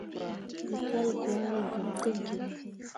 We kal gwari, bam tə genni.